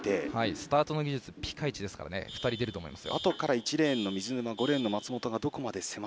スタートの技術ピカイチですから２人出ると思います。